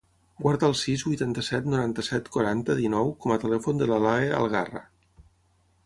Guarda el sis, vuitanta-set, noranta-set, quaranta, dinou com a telèfon de l'Alae Algarra.